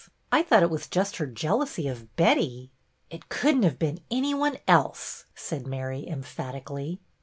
I thought it was just her jealousy of Betty." " It could n't have been any one else," said Mary, emphatically.